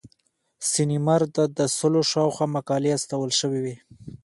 سیمینار ته د سلو شاوخوا مقالې استول شوې وې.